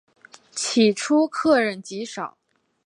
起初客人极少。